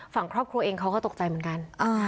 ฝั่งครอบครัวเองเขาก็ตกใจเหมือนกัน